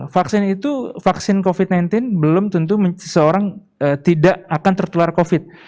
vaksin itu vaksin covid sembilan belas belum tentu seseorang tidak akan tertular covid